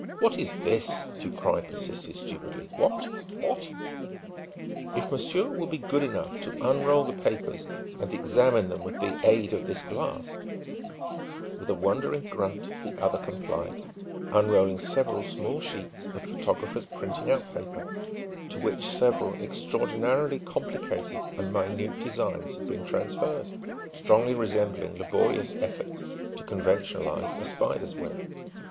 "What is this?" Ducroy persisted stupidly. "What what !" "If monsieur will be good enough to unroll the papers and examine them with the aid of this glass " With a wondering grunt, the other complied, unrolling several small sheets of photographer's printing out paper, to which several extraordinarily complicated and minute designs had been transferred strongly resembling laborious efforts to conventionalize a spider's web.